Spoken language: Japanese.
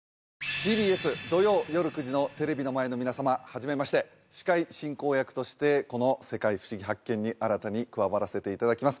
ＴＢＳ土曜夜９時のテレビの前の皆様はじめまして司会進行役としてこの「世界ふしぎ発見！」に新たに加わらせていただきます